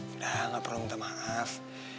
udah gak perlu minta maaf